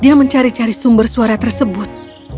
dia mencari cari sumber suara tersebut